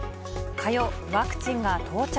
火曜、ワクチンが到着。